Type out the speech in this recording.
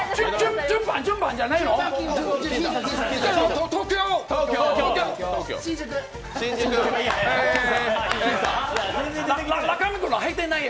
順番じゃないよ。